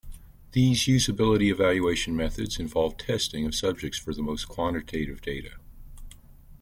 These usability evaluation methods involve testing of subjects for the most quantitative data.